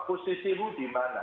posisi mu di mana